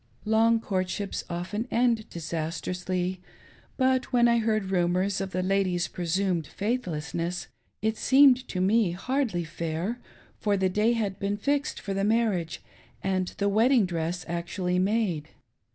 Long courtships often end disastrously ; but when I heard rumors of the lady's presumed faithlessness, it seemed to me hardly fair, for the day had been fixed for the marriage and the wedding diress actually made.